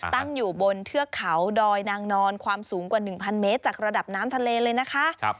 ตั้งอยู่บนเทือกเขาดอยนางนอนความสูงกว่า๑๐๐เมตรจากระดับน้ำทะเลเลยนะคะ